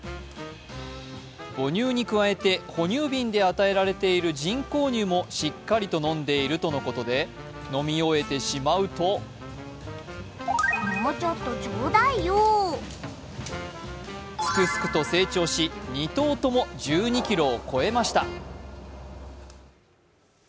母乳に加えて、哺乳瓶で与えられている人工乳もしっかりと飲んでいるとのことで飲み終えてしまうとすくすくと成長し、２頭とも１２ｋｇを超えました。